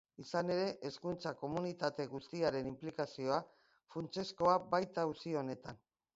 Izan ere, hezkuntza komunitate guztiaren inplikazioa funtsezkoa baita auzi honetan.